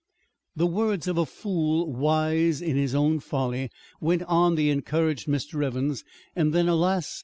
"The words of a fool wise in his own folly," went on the encouraged Mr. Evans, and then, alas!